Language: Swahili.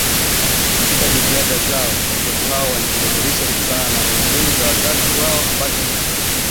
Katika jitihada zao watoto hao walijirekebisha kutokana na tamaduni za wazazi wao ambazo ni